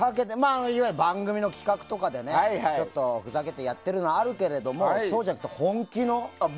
いわゆる番組の企画とかでちょっとふざけてやってるのはあるけれどもそうじゃなくて、本気の。